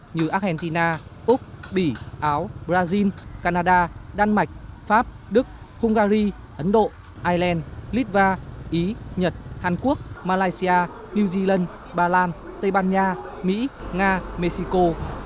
như argentina úc bỉ áo brazil canada đan mạch pháp đức hungary ấn độ ireland litva ý nhật hàn quốc malaysia new zealand bà lan tây ban nha mỹ nga mexico